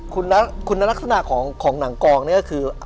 คุณนักคุณนักลักษณะของของหนังกองเนี่ยก็คือ